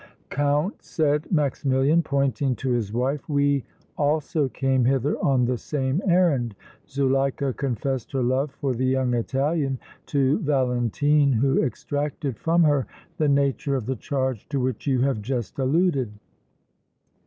"Count," said Maximilian, pointing to his wife, "we also came hither on the same errand. Zuleika confessed her love for the young Italian to Valentine, who extracted from her the nature of the charge to which you have just alluded.